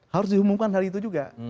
harus diumumkan hari itu juga